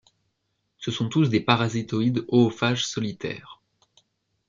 Ce sont tous des parasitoïdes oophages solitaires.